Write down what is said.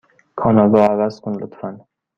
کانال را عوض کن، لطفا.